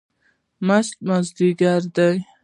مست مازدیګر دی